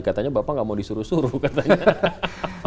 katanya bapak nggak mau disuruh suruh katanya